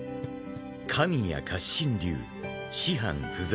［神谷活心流師範不在］